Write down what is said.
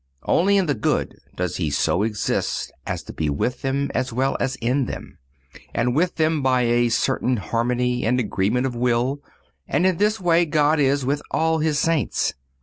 Only in the good does He so exist as to be with them as well as in them; with them by a certain harmony and agreement of will, and in this way God is with all His Saints.